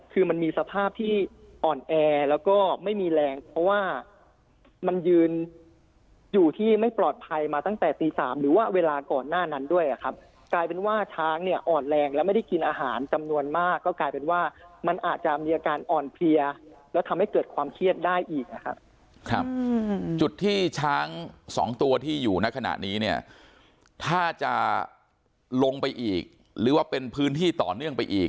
คือมันมีสภาพที่อ่อนแอแล้วก็ไม่มีแรงเพราะว่ามันยืนอยู่ที่ไม่ปลอดภัยมาตั้งแต่ตีสามหรือว่าเวลาก่อนหน้านั้นด้วยอ่ะครับกลายเป็นว่าช้างเนี่ยอ่อนแรงแล้วไม่ได้กินอาหารจำนวนมากก็กลายเป็นว่ามันอาจจะมีอาการอ่อนเพลียแล้วทำให้เกิดความเครียดได้อีกนะครับจุดที่ช้างสองตัวที่อยู่ในขณะนี้เนี่ยถ้าจะลงไปอีกหรือว่าเป็นพื้นที่ต่อเนื่องไปอีก